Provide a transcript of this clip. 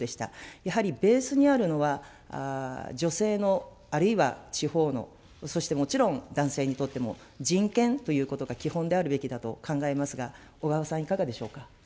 やはりベースにあるのは、女性の、あるいは地方の、そしてもちろん男性にとっても人権ということが基本であるべきだと考えますが、小川さん、いかがでしょうか。